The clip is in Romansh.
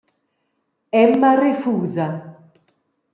Emma refusa.